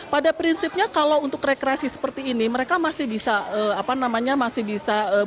pada prinsipnya kalau untuk rekreasi seperti ini mereka masih bisa apa namanya masih bisa